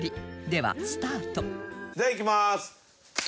ではスタートではいきまーす！